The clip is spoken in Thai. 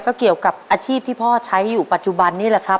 ก็เกี่ยวกับอาชีพที่พ่อใช้อยู่ปัจจุบันนี้แหละครับ